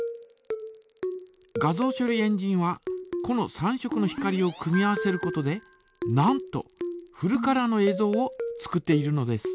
画像処理エンジンはこの３色の光を組み合わせることでなんとフルカラーのえいぞうを作っているのです。